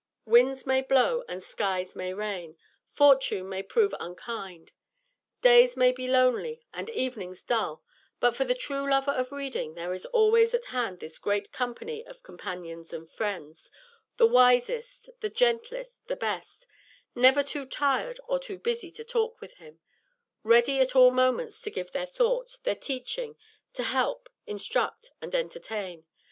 Winds may blow and skies may rain, fortune may prove unkind, days may be lonely and evenings dull; but for the true lover of reading there is always at hand this great company of companions and friends, the wisest, the gentlest, the best, never too tired or too busy to talk with him, ready at all moments to give their thought, their teaching, to help, instruct, and entertain.